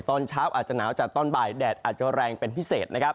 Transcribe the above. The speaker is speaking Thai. ตอนเช้าอาจจะหนาวจัดตอนบ่ายแดดอาจจะแรงเป็นพิเศษนะครับ